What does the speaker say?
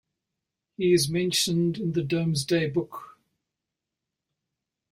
He is mentioned in the "Domesday Book.